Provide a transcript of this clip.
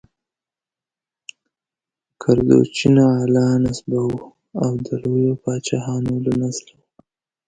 کردوچین اعلی نسبه وه او د لویو پاچاهانو له نسله وه.